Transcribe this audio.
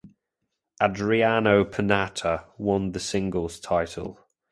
Adriano Panatta won the singles title.